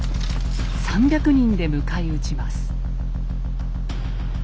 ３００人で迎え撃ちます。